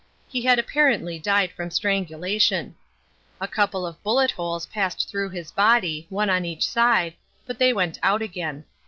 He had apparently died from strangulation. A couple of bullet holes passed through his body, one on each side, but they went out again.